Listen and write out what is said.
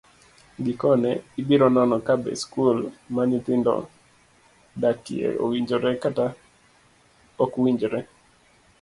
Gikone, ibiro nono kabe skul ma nyithindo dakie owinjore kata ok owinjore.